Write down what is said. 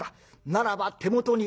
ならば手元にある。